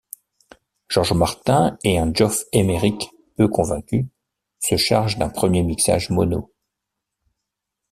George Martin et un Geoff Emerick peu convaincu se chargent d'un premier mixage mono.